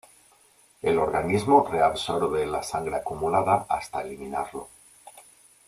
El organismo reabsorbe la sangre acumulada hasta eliminarlo.